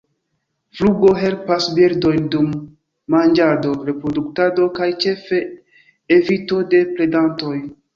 Flugo helpas birdojn dum manĝado, reproduktado kaj ĉefe evito de predantoj.